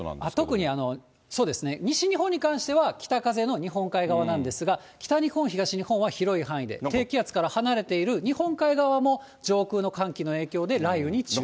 特に、そうですね、西日本に関しては北風の日本側なんですが、北日本、東日本は広い範囲で、低気圧から離れている日本海側も上空の寒気の影響で雷雨に注意と。